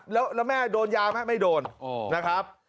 แล้วแม่โดนยาไหมไม่โดนนะครับ